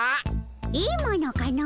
いいものかの？